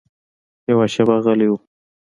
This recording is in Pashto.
يوه شېبه غلى و.